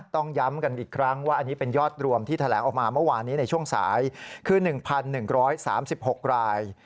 ต้องย้ำกันอีกครั้งว่าอันนี้เป็นยอดรวมที่แถลงออกมาเมื่อวานนี้ในช่วงสายคือ๑๑๓๖ราย